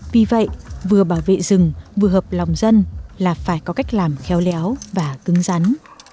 vì vậy vừa bảo vệ rừng vừa hợp lòng dân là phải có cách làm khéo léo và cứng rắn